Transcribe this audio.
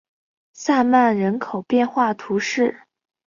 曼萨人口变化图示